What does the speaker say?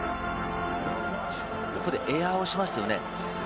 ここでエアをしますよね。